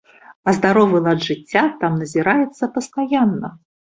А здаровы лад жыцця там назіраецца пастаянна.